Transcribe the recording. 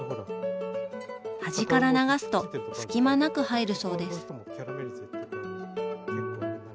端から流すと隙間なく入るそうです。